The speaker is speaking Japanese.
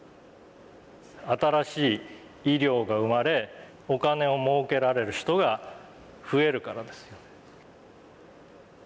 新しい医療が生まれお金をもうけられる人が増えるからですよね。